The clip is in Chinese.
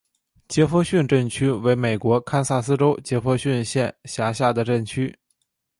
杰佛逊镇区为美国堪萨斯州杰佛逊县辖下的镇区。